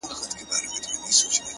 ریښتینی دوست د ګټې تابع نه وي